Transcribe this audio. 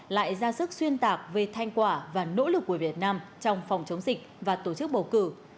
lại ra sức xuyên tạc về thanh quả và nỗ lực của việt nam trong phòng chống dịch và tổ chức bầu cử